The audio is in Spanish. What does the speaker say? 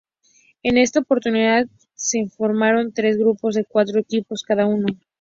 En esta oportunidad se formaron tres grupos de cuatro equipos cada uno.